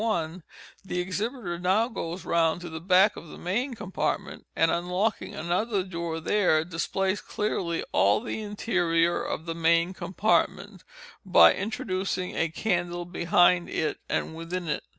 I, the exhibiter now goes round to the back of the main compartment, and, unlocking another door there, displays clearly all the interior of the main compartment, by introducing a candle behind it and within it.